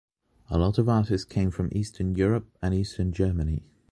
A lot of artists came from Eastern Europe and Eastern Germany.